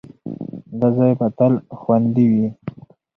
دا ځای به تل خوندي وي.